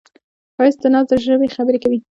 ښایست د ناز د ژبې خبرې کوي